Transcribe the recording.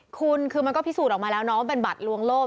คุณคือมันก็พิสูจน์ออกมาแล้วนะว่าเป็นบัตรลวงโลก